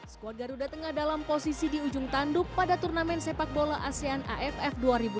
skuad garuda tengah dalam posisi di ujung tanduk pada turnamen sepak bola asean aff dua ribu dua puluh